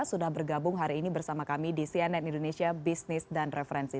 sudah bergabung hari ini bersama kami di cnn indonesia bisnis dan referensi